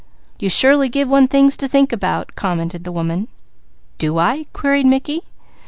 "You surely give one things to think about," commented the woman. "Do I?" queried Mickey.